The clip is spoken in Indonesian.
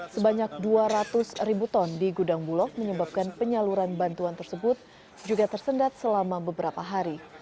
sebanyak dua ratus ribu ton di gudang bulog menyebabkan penyaluran bantuan tersebut juga tersendat selama beberapa hari